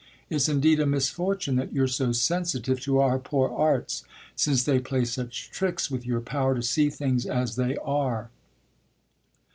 It's indeed a misfortune that you're so sensitive to our poor arts, since they play such tricks with your power to see things as they are.